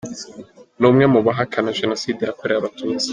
Ni umwe mu bahakana Jenoside yakorewe Abatutsi.